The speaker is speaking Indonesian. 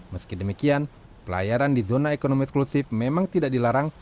meski demikian pelayaran di zona ekonomi eksklusif memang tidak dilarang